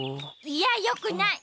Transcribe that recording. いやよくない。